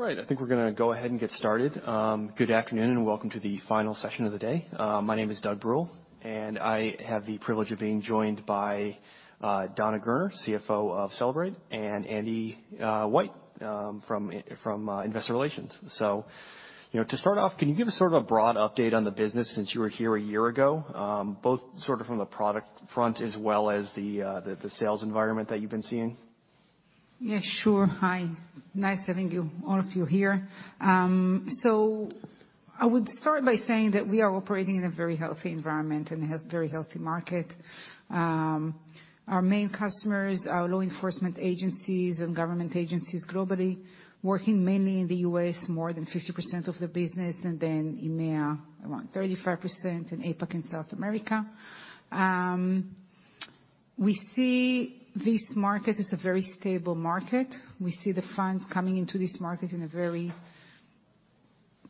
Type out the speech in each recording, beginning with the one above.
All right. I think we're gonna go ahead and get started. Good afternoon and welcome to the final session of the day. My name is Doug Bruehl, and I have the privilege of being joined by Dana Gerner, CFO of Cellebrite, and Andy White, from Investor Relations. You know, to start off, can you give us sort of a broad update on the business since you were here a year ago, both sort of from the product front as well as the sales environment that you've been seeing? Yeah, sure. Hi, nice having you, all of you here. I would start by saying that we are operating in a very healthy environment and a very healthy market. Our main customers are law enforcement agencies and government agencies globally, working mainly in the U.S., more than 50% of the business, and then EMEA, around 35%, and APAC and South America. We see this market as a very stable market. We see the funds coming into this market in a very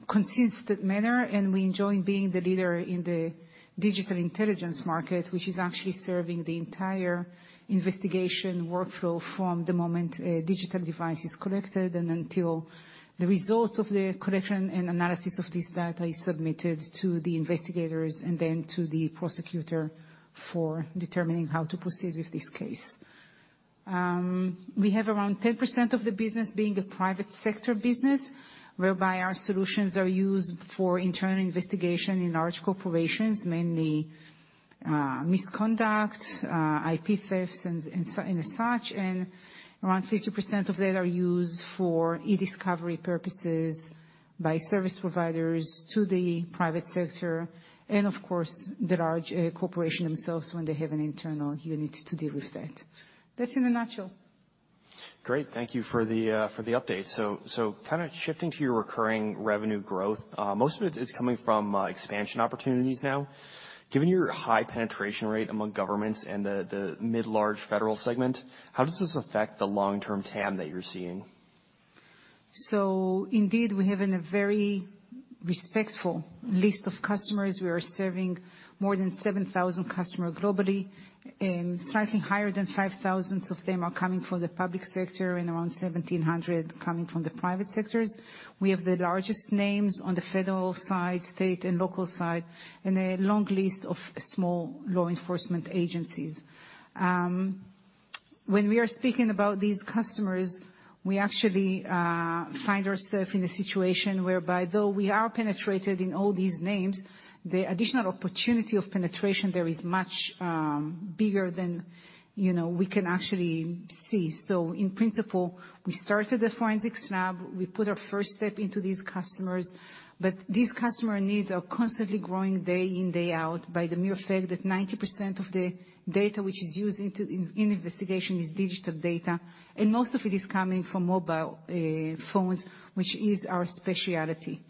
consistent manner, we enjoy being the leader in the digital intelligence market, which is actually serving the entire investigation workflow from the moment a digital device is collected and until the results of the collection and analysis of this data is submitted to the investigators and then to the prosecutor for determining how to proceed with this case. We have around 10% of the business being a private sector business, whereby our solutions are used for internal investigation in large corporations, mainly, misconduct, IP thefts and as such, and around 50% of that are used for e-discovery purposes by service providers to the private sector and of course, the large corporation themselves when they have an internal unit to deal with that. That's in a nutshell. Great. Thank you for the update. Kinda shifting to your recurring revenue growth, most of it is coming from expansion opportunities now. Given your high penetration rate among governments and the mid large federal segment, how does this affect the long-term TAM that you're seeing? Indeed, we have a very respectful list of customers. We are serving more than 7,000 customers globally, and slightly higher than 5,000 of them are coming from the public sector and around 1,700 coming from the private sectors. We have the largest names on the federal side, state and local side, and a long list of small law enforcement agencies. When we are speaking about these customers, we actually find ourself in a situation whereby though we are penetrated in all these names, the additional opportunity of penetration there is much bigger than, you know, we can actually see. In principle, we started the forensics lab. We put our first step into these customers. These customer needs are constantly growing day in, day out by the mere fact that 90% of the data which is used into investigation is digital data, and most of it is coming from mobile phones, which is our specialty.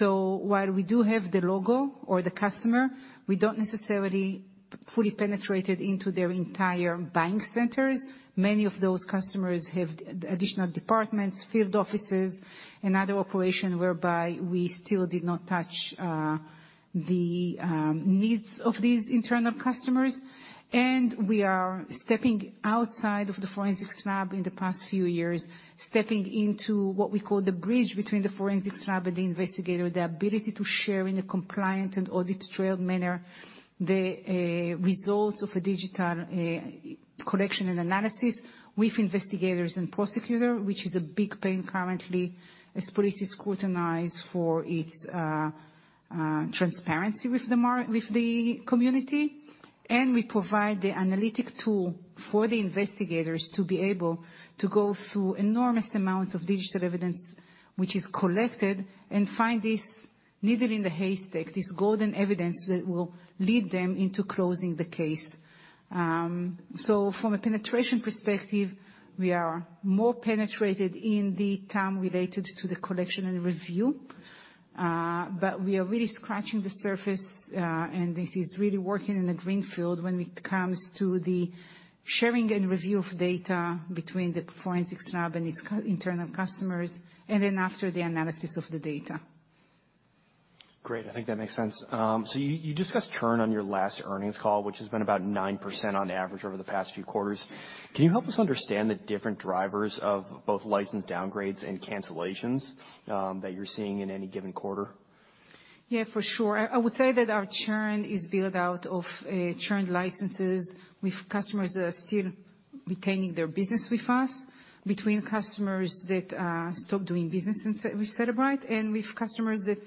While we do have the logo or the customer, we don't necessarily fully penetrate it into their entire buying centers. Many of those customers have additional departments, field offices, and other operation whereby we still did not touch the needs of these internal customers. We are stepping outside of the forensics lab in the past few years, stepping into what we call the bridge between the forensics lab and the investigator, the ability to share in a compliant and audit trail manner the results of a digital collection and analysis with investigators and prosecutor, which is a big pain currently as police is scrutinized for its transparency with the community. We provide the analytic tool for the investigators to be able to go through enormous amounts of digital evidence, which is collected, and find this needle in the haystack, this golden evidence that will lead them into closing the case. From a penetration perspective, we are more penetrated in the TAM related to the collection and review, but we are really scratching the surface, and this is really working in the green field when it comes to the sharing and review of data between the forensics lab and its internal customers, and then after the analysis of the data. Great. I think that makes sense. You discussed churn on your last earnings call, which has been about 9% on average over the past few quarters. Can you help us understand the different drivers of both license downgrades and cancellations that you're seeing in any given quarter? Yeah, for sure. I would say that our churn is built out of churned licenses with customers that are still retaining their business with us, between customers that stop doing business with Cellebrite, and with customers that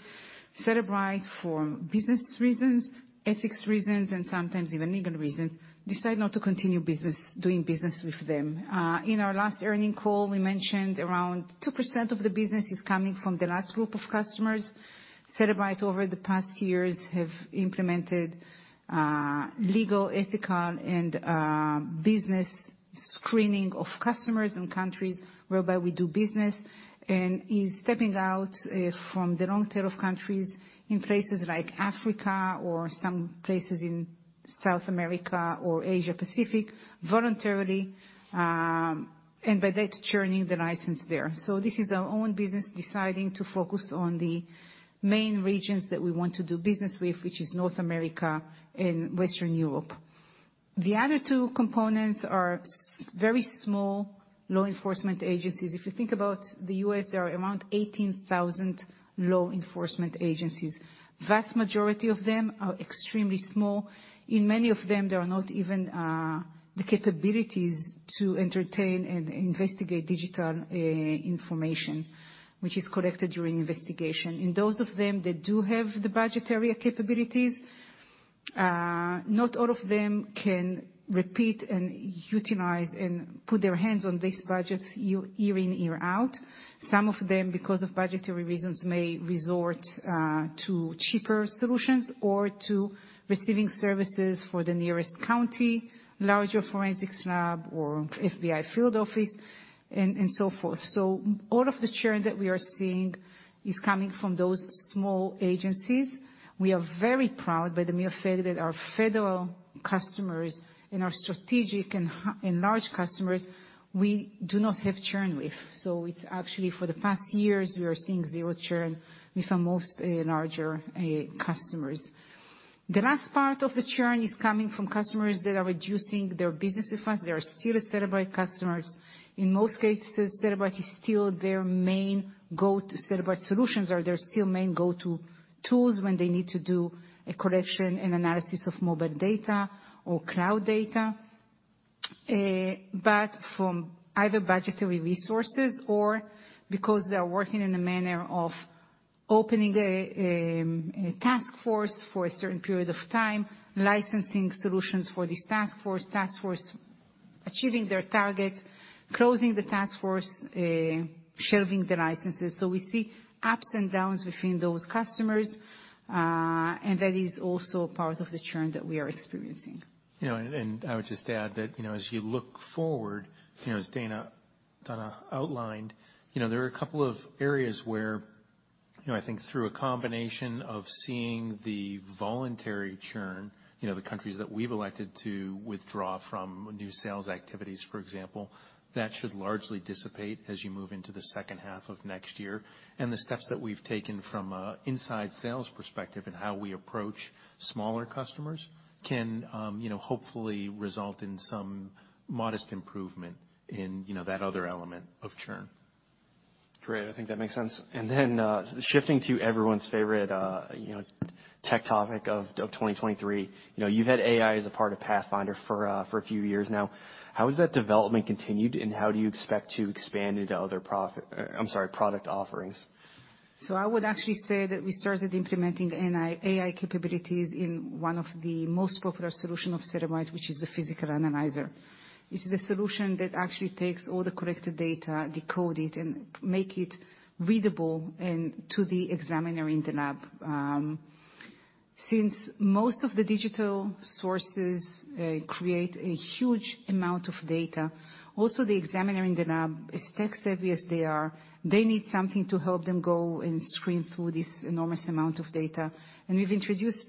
Cellebrite, for business reasons, ethics reasons, and sometimes even legal reasons, decide not to continue business, doing business with them. In our last earning call, we mentioned around 2% of the business is coming from the last group of customers. Cellebrite, over the past years, have implemented legal, ethical, and business screening of customers and countries whereby we do business and is stepping out from the long tail of countries in places like Africa or some places in South America or Asia Pacific voluntarily. By that churning the license there. This is our own business deciding to focus on the main regions that we want to do business with, which is North America and Western Europe. The other two components are very small law enforcement agencies. If you think about the U.S., there are around 18,000 law enforcement agencies. Vast majority of them are extremely small. In many of them, there are not even the capabilities to entertain and investigate digital information, which is collected during investigation. In those of them that do have the budgetary capabilities, not all of them can repeat and utilize and put their hands on these budgets year in, year out. Some of them, because of budgetary reasons, may resort to cheaper solutions or to receiving services for the nearest county, larger forensics lab or FBI field office and so forth. All of the churn that we are seeing is coming from those small agencies. We are very proud by the mere fact that our federal customers and our strategic and large customers, we do not have churn with. It's actually for the past years, we are seeing zero churn with our most larger customers. The last part of the churn is coming from customers that are reducing their business with us. They are still a Cellebrite customers. In most cases, Cellebrite is still their main go-to. Cellebrite solutions are their still main go-to tools when they need to do a collection and analysis of mobile data or cloud data. From either budgetary resources or because they are working in a manner of opening a task force for a certain period of time, licensing solutions for this task force, task force achieving their target, closing the task force, shelving the licenses. We see ups and downs between those customers, and that is also part of the churn that we are experiencing. You know, and I would just add that, you know, as you look forward, you know, as Dana outlined, you know, there are a couple of areas where, you know, I think through a combination of seeing the voluntary churn, you know, the countries that we've elected to withdraw from new sales activities, for example, that should largely dissipate as you move into the second half of next year. The steps that we've taken from a inside sales perspective and how we approach smaller customers can, you know, hopefully result in some modest improvement in, you know, that other element of churn. Great. I think that makes sense. Then, shifting to everyone's favorite, you know, tech topic of 2023, you know, you've had AI as a part of Pathfinder for a few years now. How has that development continued, and how do you expect to expand into other product offerings? I would actually say that we started implementing AI capabilities in one of the most popular solution of Cellebrite, which is the Physical Analyzer. It's the solution that actually takes all the collected data, decode it, and make it readable and to the examiner in the lab. Since most of the digital sources create a huge amount of data, also the examiner in the lab, as tech-savvy as they are, they need something to help them go and screen through this enormous amount of data. We've introduced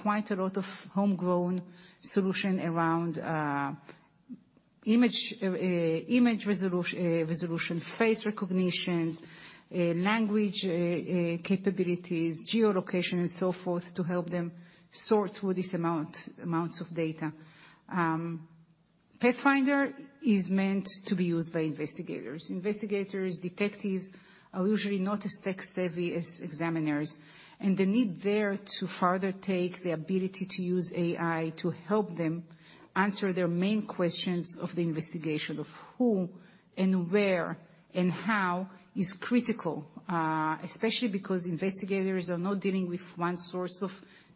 quite a lot of homegrown solution around image resolution, face recognition, language capabilities, geolocation and so forth to help them sort through this amounts of data. Pathfinder is meant to be used by investigators. Investigators, detectives are usually not as tech-savvy as examiners, and the need there to further take the ability to use AI to help them answer their main questions of the investigation of who and where and how is critical, especially because investigators are not dealing with one source of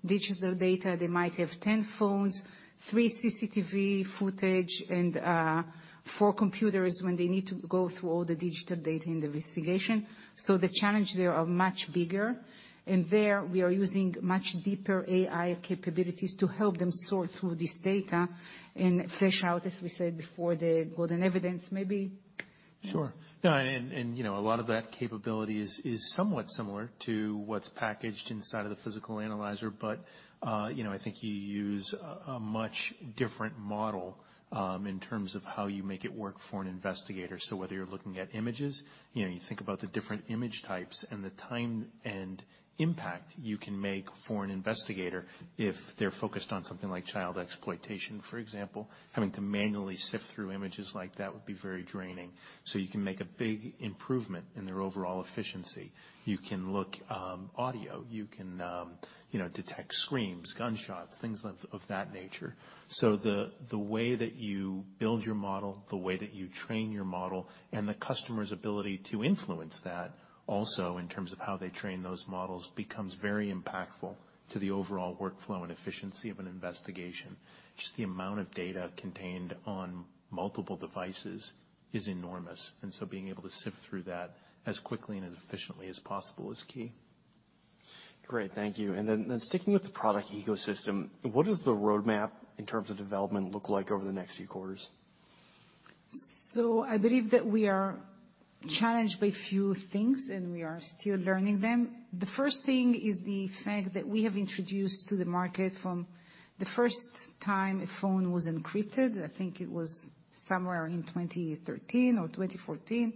digital data. They might have 10 phones, three CCTV footage, and four computers when they need to go through all the digital data in the investigation. The challenge there are much bigger. There we are using much deeper AI capabilities to help them sort through this data and flush out, as we said before, the golden evidence maybe. Sure. No, you know, a lot of that capability is somewhat similar to what's packaged inside of the Physical Analyzer. You know, I think you use a much different model, in terms of how you make it work for an investigator. Whether you're looking at images, you know, you think about the different image types and the time and impact you can make for an investigator if they're focused on something like child exploitation, for example, having to manually sift through images like that would be very draining. You can make a big improvement in their overall efficiency. You can look, audio, you can, you know, detect screams, gunshots, things of that nature. The way that you build your model, the way that you train your model, and the customer's ability to influence that also in terms of how they train those models, becomes very impactful to the overall workflow and efficiency of an investigation. Just the amount of data contained on multiple devices is enormous, and so being able to sift through that as quickly and as efficiently as possible is key. Great. Thank you. Then sticking with the product ecosystem, what does the roadmap in terms of development look like over the next few quarters? I believe that we are challenged by few things, and we are still learning them. The first thing is the fact that we have introduced to the market from the first time a phone was encrypted, I think it was somewhere in 2013 or 2014,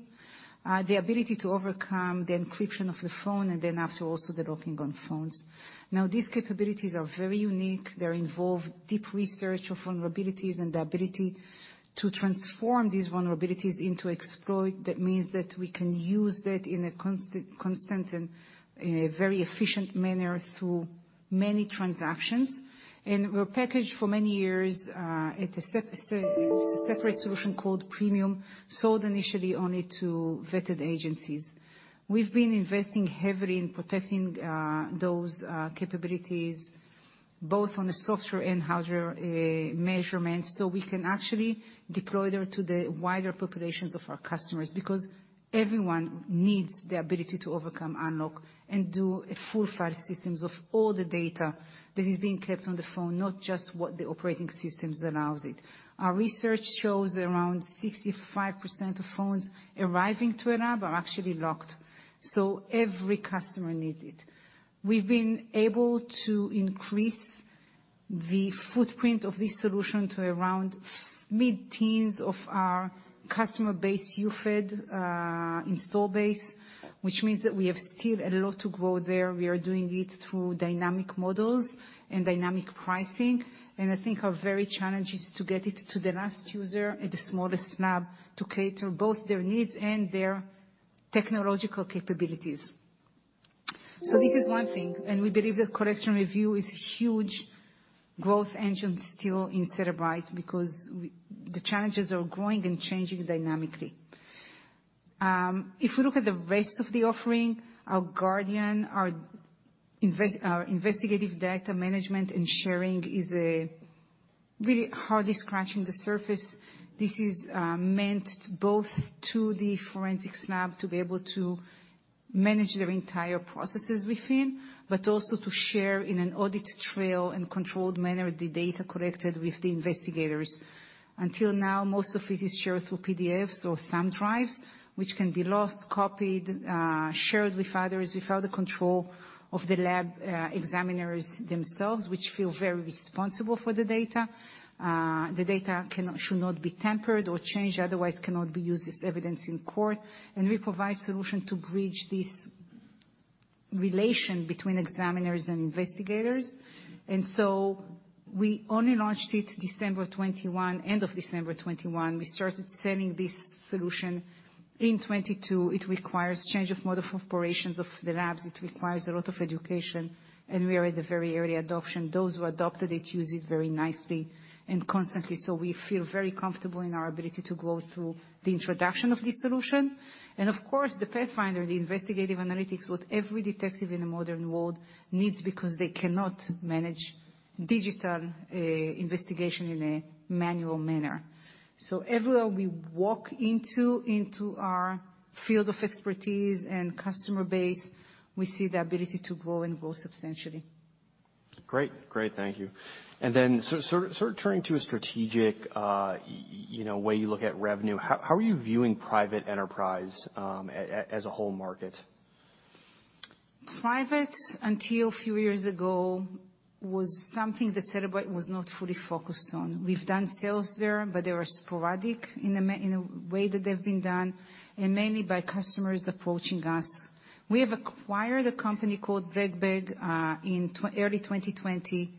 the ability to overcome the encryption of the phone, and then after also the locking on phones. These capabilities are very unique. They involve deep research of vulnerabilities and the ability to transform these vulnerabilities into exploit. That means that we can use that in a constant and very efficient manner through many transactions. Were packaged for many years, at a separate solution called Premium, sold initially only to vetted agencies. We've been investing heavily in protecting, those capabilities, both on the software and hardware, measurements, so we can actually deploy them to the wider populations of our customers, because everyone needs the ability to overcome unlock and do a full file system of all the data that is being kept on the phone, not just what the operating systems allows it. Our research shows around 65% of phones arriving to a lab are actually locked, Every customer needs it. We've been able to increase the footprint of this solution to around mid-teens of our customer base UFED, install base, which means that we have still a lot to grow there. We are doing it through dynamic models and dynamic pricing, and I think our very challenge is to get it to the last user at the smallest lab to cater both their needs and their technological capabilities. This is one thing, and we believe that collection review is huge growth engine still in Cellebrite because the challenges are growing and changing dynamically. If we look at the rest of the offering, our Guardian, our investigative data management and sharing is a really hardly scratching the surface. This is meant both to the forensics lab to be able to manage their entire processes within, but also to share in an audit trail and controlled manner the data collected with the investigators. Until now, most of it is shared through PDFs or thumb drives, which can be lost, copied, shared with others without the control of the lab, examiners themselves, which feel very responsible for the data. The data should not be tampered or changed, otherwise cannot be used as evidence in court. We provide solution to bridge this relation between examiners and investigators. We only launched it December 21, end of December 21. We started selling this solution in 22. It requires change of mode of operations of the labs. It requires a lot of education, and we are at the very early adoption. Those who adopted it use it very nicely and constantly, so we feel very comfortable in our ability to grow through the introduction of this solution. Of course, the Pathfinder, the investigative analytics, what every detective in the modern world needs because they cannot manage digital investigation in a manual manner. Everywhere we walk into our field of expertise and customer base, we see the ability to grow and grow substantially. Great. Great. Thank you. Then sort of turning to a strategic, you know, way you look at revenue, how are you viewing private enterprise, as a whole market? Private, until a few years ago, was something that Cellebrite was not fully focused on. We've done sales there, but they were sporadic in the way that they've been done, and mainly by customers approaching us. We have acquired a company called BlackBag, in early 2020.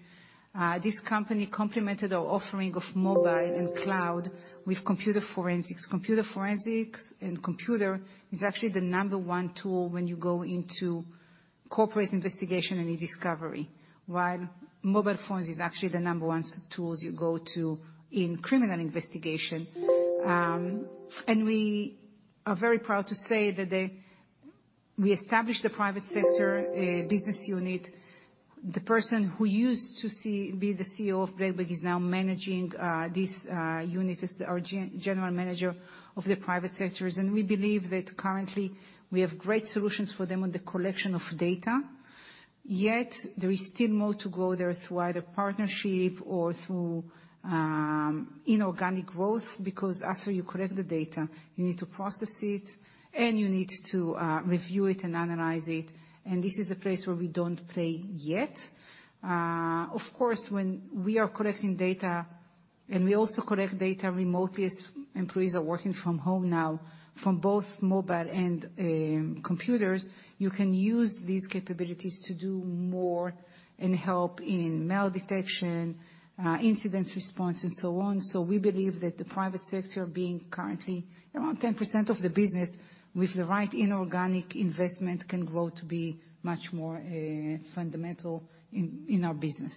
This company complemented our offering of mobile and cloud with computer forensics. Computer forensics and computer is actually the number one tool when you go into corporate investigation and e-discovery. While mobile phones is actually the number one tools you go to in criminal investigation. We are very proud to say that we established a private sector business unit. The person who used to be the CEO of BlackBag is now managing this unit as the, our general manager of the private sectors. We believe that currently we have great solutions for them on the collection of data. There is still more to go there through either partnership or through inorganic growth, because after you collect the data, you need to process it, and you need to review it and analyze it, and this is a place where we don't play yet. Of course, when we are collecting data, and we also collect data remotely as employees are working from home now from both mobile and computers, you can use these capabilities to do more and help in malware detection, incident response and so on. We believe that the private sector being currently around 10% of the business with the right inorganic investment can grow to be much more fundamental in our business.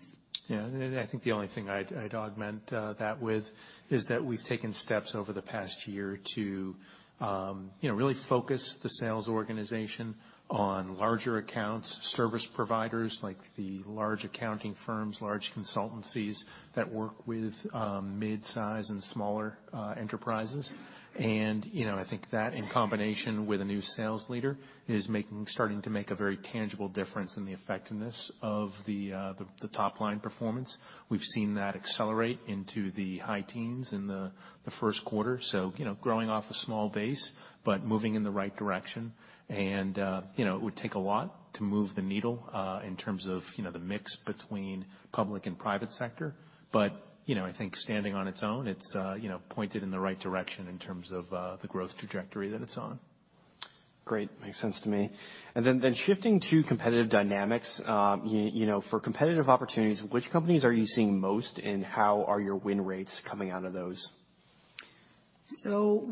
Yeah. I think the only thing I'd augment that with is that we've taken steps over the past year to, you know, really focus the sales organization on larger accounts, service providers like the large accounting firms, large consultancies that work with mid-size and smaller enterprises. You know, I think that in combination with a new sales leader is starting to make a very tangible difference in the effectiveness of the top line performance. We've seen that accelerate into the high teens in the first quarter. You know, growing off a small base, but moving in the right direction. You know, it would take a lot to move the needle in terms of, you know, the mix between public and private sector. You know, I think standing on its own, it's, you know, pointed in the right direction in terms of the growth trajectory that it's on. Great. Makes sense to me. Then shifting to competitive dynamics, you know, for competitive opportunities, which companies are you seeing most, and how are your win rates coming out of those?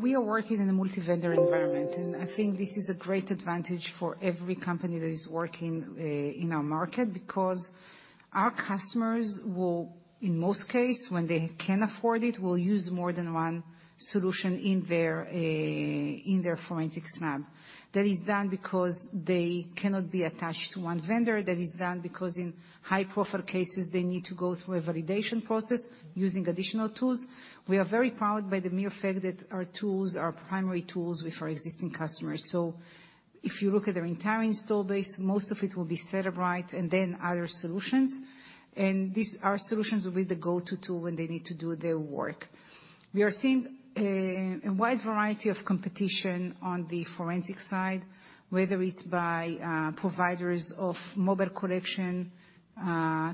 We are working in a multi-vendor environment, and I think this is a great advantage for every company that is working in our market because our customers will, in most case, when they can afford it, will use more than one solution in their in their forensics lab. That is done because they cannot be attached to one vendor. That is done because in high-profile cases, they need to go through a validation process using additional tools. We are very proud by the mere fact that our tools are primary tools with our existing customers. If you look at their entire install base, most of it will be Cellebrite and then other solutions. These, our solutions will be the go-to tool when they need to do their work. We are seeing a wide variety of competition on the forensics side, whether it's by providers of mobile collection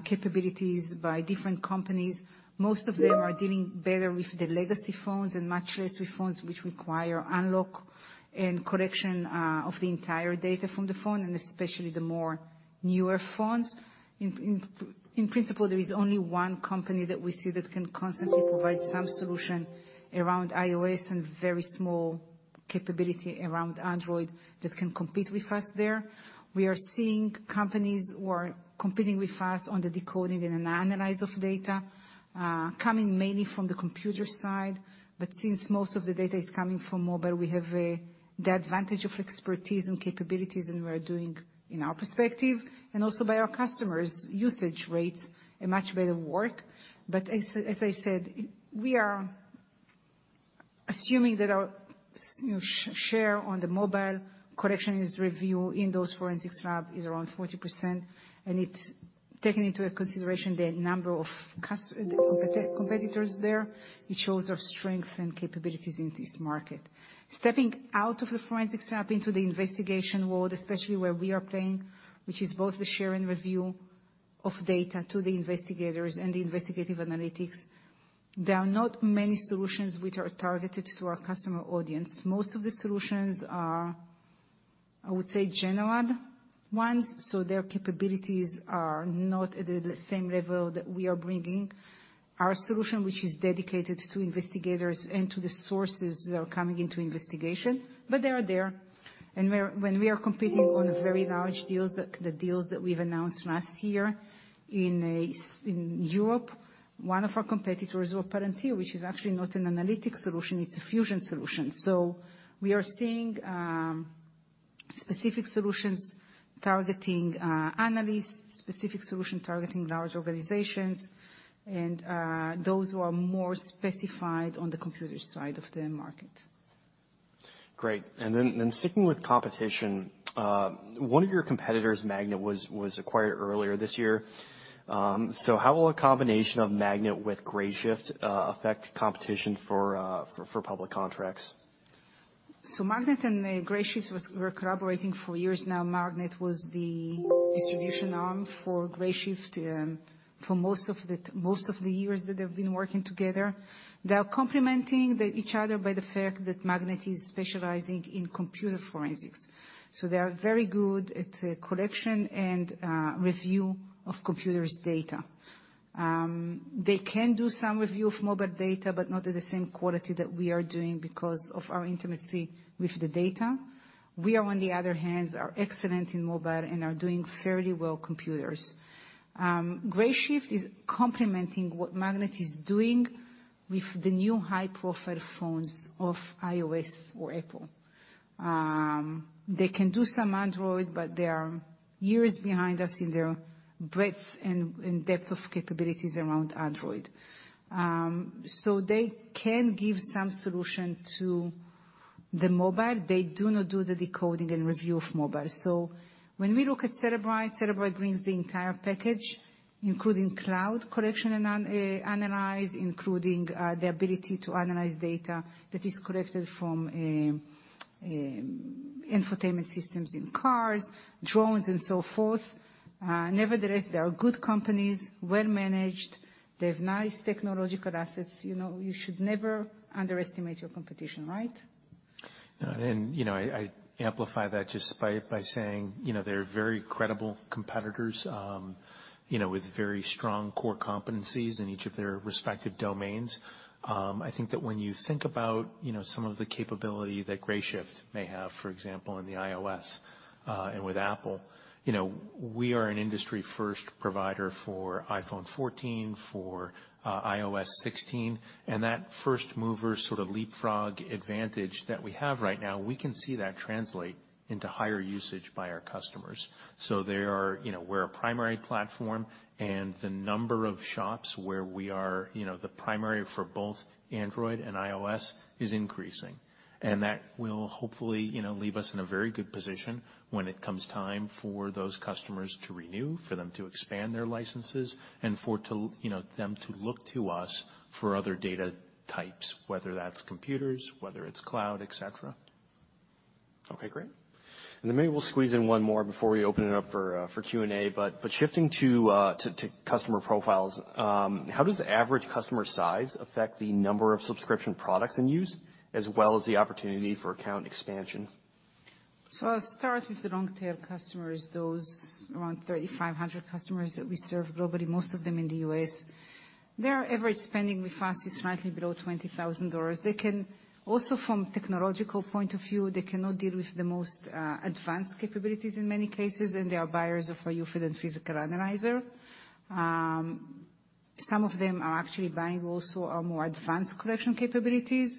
capabilities by different companies. Most of them are dealing better with the legacy phones and much less with phones which require unlock and collection of the entire data from the phone, and especially the more newer phones. In principle, there is only one company that we see that can constantly provide some solution around iOS and very small capability around Android that can compete with us there. We are seeing companies who are competing with us on the decoding and an analysis of data coming mainly from the computer side. Since most of the data is coming from mobile, we have the advantage of expertise and capabilities, and we are doing, in our perspective, and also by our customers' usage rates, a much better work. As I said, we are assuming that our you know, share on the mobile collection is review in those forensics lab is around 40%, and it's taking into a consideration the number of competitors there. It shows our strength and capabilities in this market. Stepping out of the forensics lab into the investigation world, especially where we are playing, which is both the share and review of data to the investigators and the investigative analytics, there are not many solutions which are targeted to our customer audience. Most of the solutions are, I would say, general ones, so their capabilities are not at the same level that we are bringing our solution, which is dedicated to investigators and to the sources that are coming into investigation, but they are there. Where, when we are competing on a very large deals, the deals that we've announced last year in Europe, one of our competitors was Palantir, which is actually not an analytics solution, it's a fusion solution. We are seeing specific solutions targeting analysts, specific solution targeting large organizations, and those who are more specified on the computer side of the market. Great. Then sticking with competition, one of your competitors, Magnet, was acquired earlier this year. How will a combination of Magnet with Grayshift affect competition for public contracts? Magnet and Grayshift were collaborating for years now. Magnet was the distribution arm for Grayshift for most of the years that they've been working together. They are complementing each other by the fact that Magnet is specializing in computer forensics, they are very good at collection and review of computers' data. They can do some review of mobile data, not at the same quality that we are doing because of our intimacy with the data. We, on the other hand, are excellent in mobile and are doing fairly well computers. Grayshift is complementing what Magnet is doing with the new high-profile phones of iOS or Apple. They can do some Android, they are years behind us in their breadth and depth of capabilities around Android. They can give some solution to the mobile. They do not do the decoding and review of mobile. When we look at Cellebrite brings the entire package, including cloud collection and analyze, including the ability to analyze data that is collected from infotainment systems in cars, drones, and so forth. Nevertheless, they are good companies, well-managed. They have nice technological assets. You know, you should never underestimate your competition, right? You know, I amplify that just by saying, you know, they're very credible competitors, you know, with very strong core competencies in each of their respective domains. I think that when you think about, you know, some of the capability that Grayshift may have, for example, in the iOS, and with Apple, you know, we are an industry first provider for iPhone 14, for iOS 16, and that first mover sort of leapfrog advantage that we have right now, we can see that translate into higher usage by our customers. They are, you know, we're a primary platform, and the number of shops where we are, you know, the primary for both Android and iOS is increasing. That will hopefully, you know, leave us in a very good position when it comes time for those customers to renew, for them to expand their licenses, and, you know, for them to look to us for other data types, whether that's computers, whether it's cloud, et cetera. Okay, great. Maybe we'll squeeze in one more before we open it up for Q&A. Shifting to customer profiles, how does the average customer size affect the number of subscription products in use as well as the opportunity for account expansion? I'll start with the long tail customers, those around 3,500 customers that we serve globally, most of them in the U.S. Their average spending with us is slightly below $20,000. Also from technological point of view, they cannot deal with the most advanced capabilities in many cases, and they are buyers of our UFED and Physical Analyzer. Some of them are actually buying also our more advanced collection capabilities,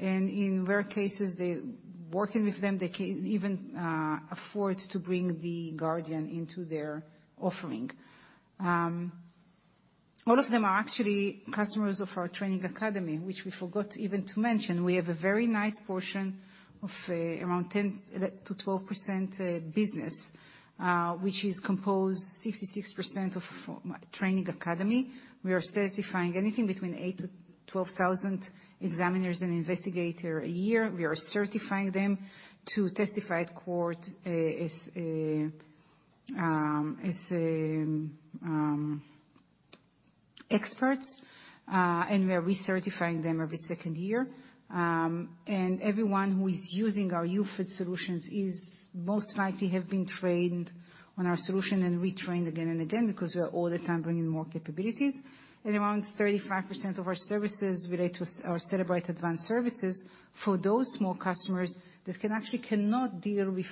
and in rare cases working with them, they can even afford to bring the Guardian into their offering. All of them are actually customers of our training academy, which we forgot even to mention. We have a very nice portion of around 10%-12% business, which is composed 66% of training academy. We are certifying anything between 8,000-12,000 examiners and investigators a year. We are certifying them to testify at court as experts, and we're recertifying them every second year. Everyone who is using our UFED solutions most likely has been trained on our solution and retrained again and again because we are all the time bringing more capabilities. Around 35% of our services relate to our Cellebrite Advanced Services for those small customers that actually cannot deal with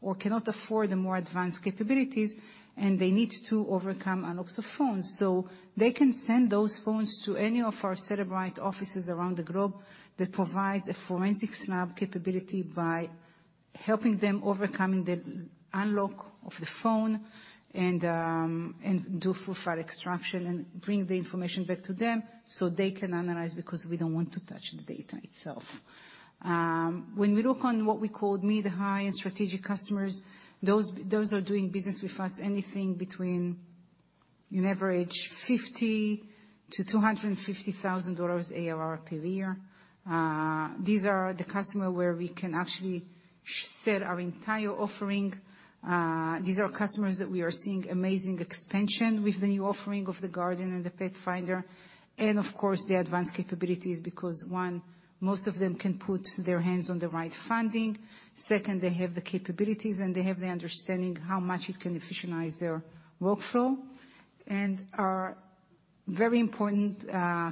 or cannot afford the more advanced capabilities, and they need to overcome unlocks of phones. They can send those phones to any of our Cellebrite offices around the globe that provides a forensics lab capability by helping them overcoming the unlock of the phone and do full file extraction and bring the information back to them so they can analyze because we don't want to touch the data itself. When we look on what we call mid-high and strategic customers, those are doing business with us anything between an average $50,000-$250,000 ARR per year. These are the customer where we can actually sell our entire offering. These are customers that we are seeing amazing expansion with the new offering of the Guardian and the Pathfinder and of course the advanced capabilities because, one, most of them can put their hands on the right funding. Second, they have the capabilities, and they have the understanding how much it can efficientize their workflow. Our very important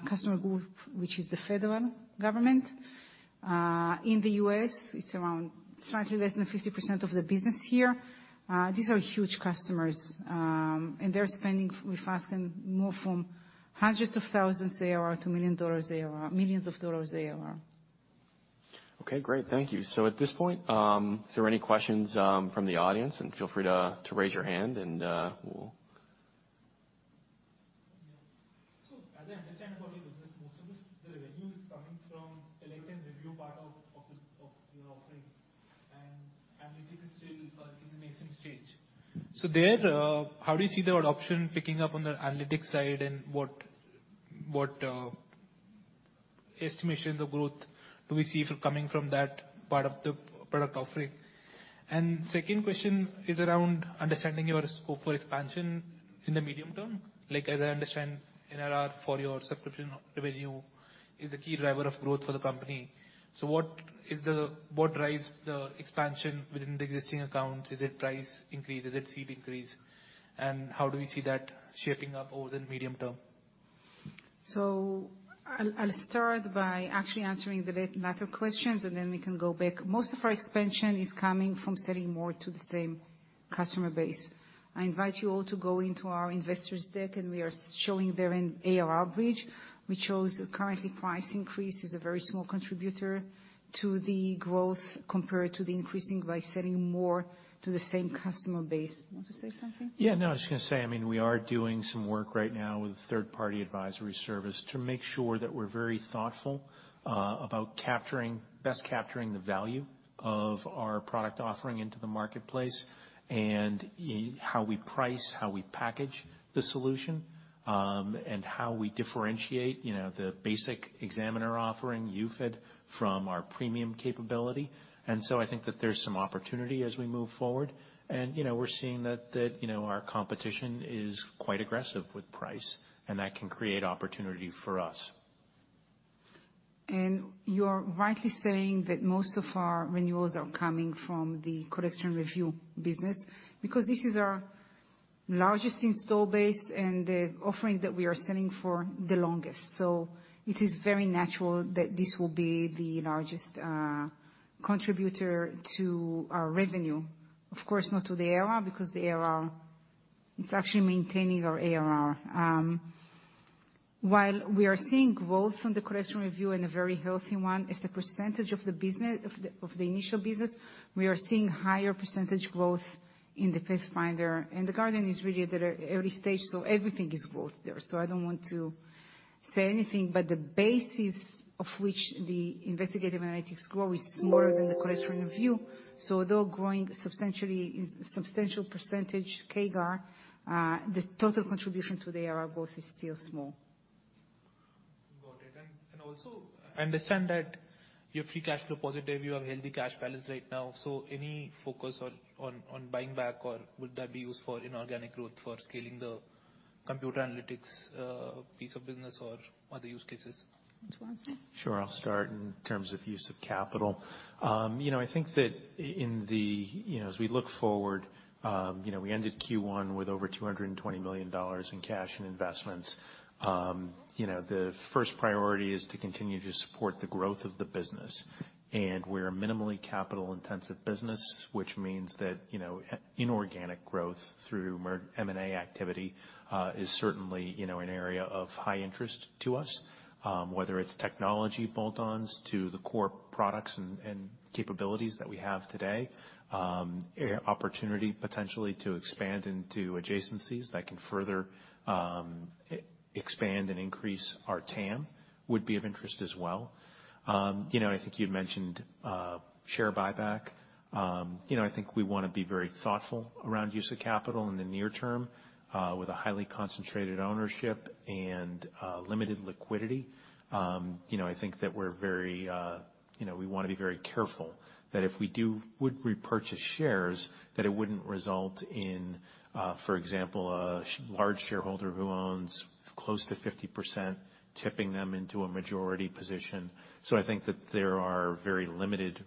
customer group, which is the federal government, in the U.S., it's around slightly less than 50% of the business here. These are huge customers, and they're spending with us can move from hundreds of thousands ARR to millions of dollars ARR. Okay, great. Thank you. At this point, is there any questions from the audience? Feel free to raise your hand. As I understand about your business, most of this, the revenue is coming from collect and review part of your offering and analytics is still in the nascent stage. There, how do you see the adoption picking up on the analytics side, and what estimations of growth do we see for coming from that part of the product offering? Second question is around understanding your scope for expansion in the medium term. Like as I understand, ARR for your subscription revenue is the key driver of growth for the company. What drives the expansion within the existing accounts? Is it price increase? Is it seat increase? How do we see that shaping up over the medium term? I'll start by actually answering the latter questions, and then we can go back. Most of our expansion is coming from selling more to the same customer base. I invite you all to go into our investors deck, and we are showing there an ARR average, which shows currently price increase is a very small contributor to the growth compared to the increasing by selling more to the same customer base. You want to say something? Yeah, no, I was just gonna say, I mean, we are doing some work right now with third-party advisory service to make sure that we're very thoughtful about capturing, best capturing the value of our product offering into the marketplace and how we price, how we package the solution, and how we differentiate, you know, the basic examiner offering UFED from our Premium capability. I think that there's some opportunity as we move forward. You know, we're seeing that, you know, our competition is quite aggressive with price, and that can create opportunity for us. You're rightly saying that most of our renewals are coming from the collection review business because this is our largest install base and the offering that we are selling for the longest. It is very natural that this will be the largest contributor to our revenue. Of course, not to the ARR, because the ARR, it's actually maintaining our ARR. While we are seeing growth from the collection review and a very healthy one, as a percentage of the initial business, we are seeing higher percentage growth in the Pathfinder. The Guardian is really at a early stage, everything is growth there. I don't want to say anything, but the basis of which the investigative analytics grow is smaller than the collection review. Although growing substantially in substantial percentage CAGR, the total contribution to the ARR growth is still small. Also, I understand that you're free cash flow positive, you have healthy cash balance right now. Any focus on buying back, or would that be used for inorganic growth for scaling the computer analytics piece of business or other use cases? Do you want to answer? Sure, I'll start. In terms of use of capital, you know, I think that in the, you know, as we look forward, you know, we ended Q1 with over $220 million in cash and investments. You know, the first priority is to continue to support the growth of the business. We're a minimally capital-intensive business, which means that, you know, inorganic growth through M&A activity is certainly, you know, an area of high interest to us. Whether it's technology bolt-ons to the core products and capabilities that we have today. Opportunity potentially to expand into adjacencies that can further expand and increase our TAM would be of interest as well. You know, I think you'd mentioned share buyback. You know, I think we wanna be very thoughtful around use of capital in the near term, with a highly concentrated ownership and limited liquidity. You know, I think that we're very, you know, we wanna be very careful that if we would repurchase shares, that it wouldn't result in, for example, a large shareholder who owns close to 50%, tipping them into a majority position. I think that there are very limited,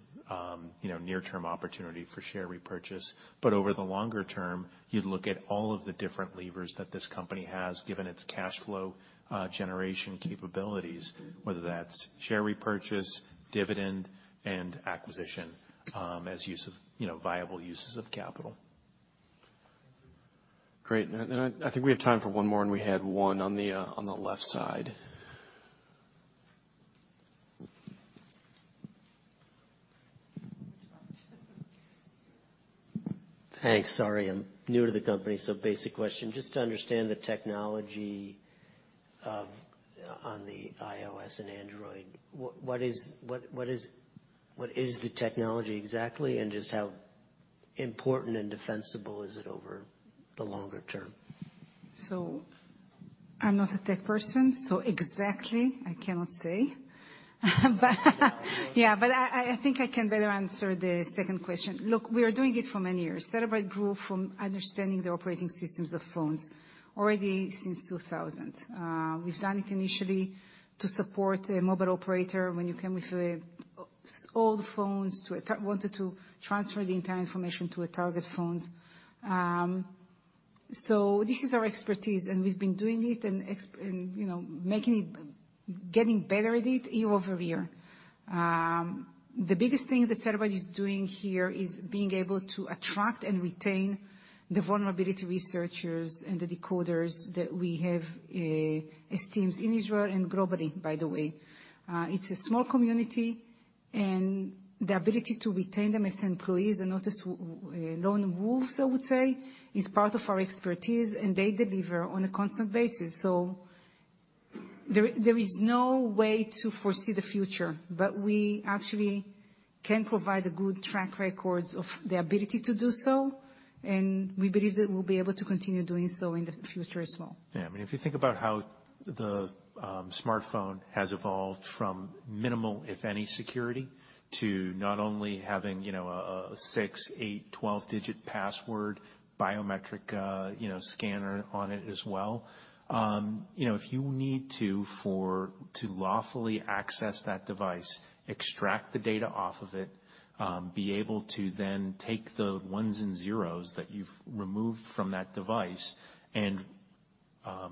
you know, near-term opportunity for share repurchase. Over the longer term, you'd look at all of the different levers that this company has, given its cash flow, generation capabilities, whether that's share repurchase, dividend, and acquisition, as use of, you know, viable uses of capital. Great. I think we have time for one more, and we had one on the on the left side. Thanks. Sorry, I'm new to the company, basic question. Just to understand the technology, on the iOS and Android, what is the technology exactly? Just how important and defensible is it over the longer term? I'm not a tech person, so exactly, I cannot say. Yeah. I think I can better answer the second question. Look, we are doing it for many years. Cellebrite grew from understanding the operating systems of phones already since 2000. We've done it initially to support a mobile operator when you come with old phones wanted to transfer the entire information to target phones. This is our expertise, and we've been doing it and, you know, making it, getting better at it year-over-year. The biggest thing that Cellebrite is doing here is being able to attract and retain the vulnerability researchers and the decoders that we have as teams in Israel and globally, by the way. It's a small community, and the ability to retain them as employees and not as lone wolves, I would say, is part of our expertise, and they deliver on a constant basis. There, there is no way to foresee the future, but we actually can provide a good track records of the ability to do so, and we believe that we'll be able to continue doing so in the future as well. I mean, if you think about how the smartphone has evolved from minimal, if any, security to not only having, you know, a six, eight, 12-digit password, biometric, you know, scanner on it as well. You know, if you need to, for, to lawfully access that device, extract the data off of it, be able to then take the ones and zeros that you've removed from that device and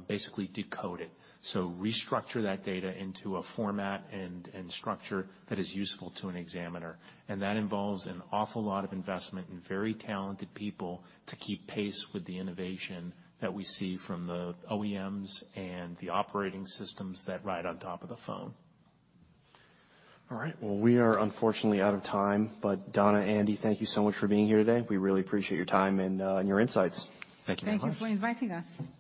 basically decode it. Restructure that data into a format and structure that is useful to an examiner. That involves an awful lot of investment and very talented people to keep pace with the innovation that we see from the OEMs and the operating systems that ride on top of the phone. All right. Well, we are unfortunately out of time. Dana, Andy, thank you so much for being here today. We really appreciate your time and your insights. Thank you very much. Thank you for inviting us.